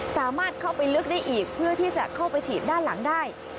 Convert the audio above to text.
สามารถเข้าไปลึกได้อีกเพื่อที่จะเข้าไปฉีดด้านหลังได้